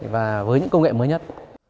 và với những công nghệ mới nhất